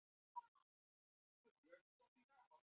圣日尔曼朗戈。